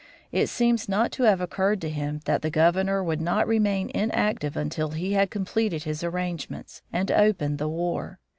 It seems not to have occurred to him that the Governor would not remain inactive until he had completed his arrangements and opened the war.